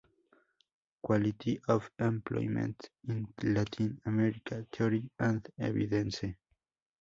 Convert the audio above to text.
Quality of employment in Latin America: Theory and evidence.